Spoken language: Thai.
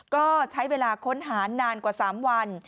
ก็ใช้เวลาค้นหานานกว่า๓วัน